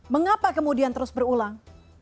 mengapa kemudian terus berulang